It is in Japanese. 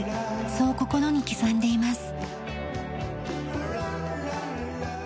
そう心に刻んでいます。